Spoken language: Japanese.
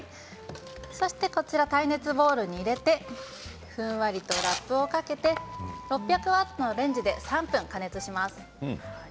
そして、耐熱ボウルに入れてふんわりとラップをかけて６００ワットのレンジで３分加熱します。